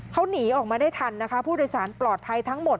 เขาหนีออกมาได้ทันนะคะผู้โดยสารปลอดภัยทั้งหมด